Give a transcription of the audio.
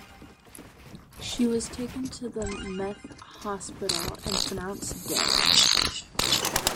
She was taken to the Meath Hospital and pronounced dead.